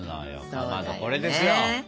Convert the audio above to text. かまどこれですよ。